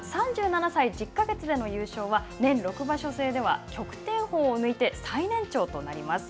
３７歳１０か月での優勝は、年６場所制では旭天鵬を抜いて、最年長となります。